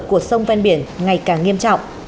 của sông ven biển ngày càng nghiêm trọng